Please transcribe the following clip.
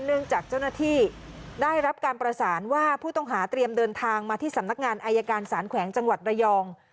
เนื่องจากเจ้าหน้าที่ได้รับการประสานว่าผู้ต้องหาเตรียมเดินทางมาที่สำนักงานอายการสารแขวงจังหวัดระยอง